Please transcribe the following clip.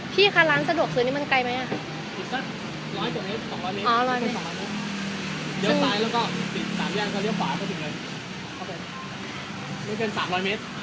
พี่ค่ะร้านสะดวกซื้อนี่มันไกลไหมอ่ะ